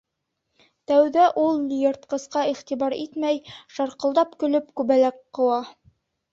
Тәүҙә ул йыртҡысҡа иғтибар итмәй, шарҡылдап көлөп, күбәләк ҡыуа.